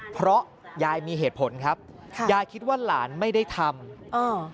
เพราะยายมีเหตุผลครับค่ะยายคิดว่าหลานไม่ได้ทำอ่า